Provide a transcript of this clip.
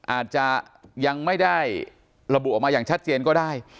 อาจจะยังไม่ได้ระบุออกมาอย่างชัดเจนก็ได้